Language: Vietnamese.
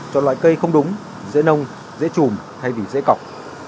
cho loại cây không đúng dễ nông dễ trùm hay vì dễ cọc